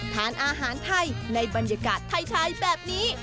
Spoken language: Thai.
ทานอาหารไทยในบรรยากาศไทยแบบนี้